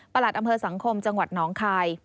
หลัดอำเภอสังคมจังหวัดน้องคาย